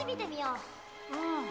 うん。